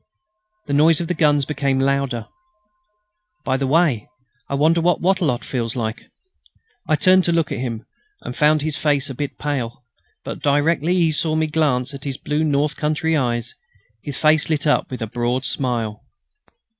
The noise of the guns became louder. "By the way!... I wonder what Wattrelot feels like!" I turned to look at him, and found his face a bit pale; but directly he saw me glance at his blue north country eyes, his face lit up with a broad smile.